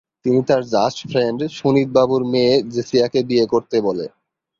তিনি তার just friend Sunid বাবুর মেয়ে জেসিয়াকে বিয়ে করতে বলে।